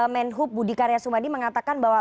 menhub budi karya sumadi mengatakan bahwa